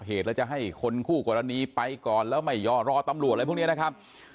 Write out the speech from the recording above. เหตุแล้วจะให้คนคู่กรณีไปก่อนแล้วไม่ยอรอตำรวจอะไรพวกนี้นะครับ